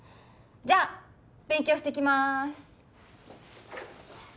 じゃあ勉強してきます